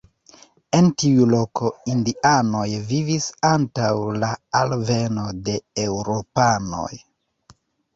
En tiu loko indianoj vivis antaŭ la alveno de eŭropanoj.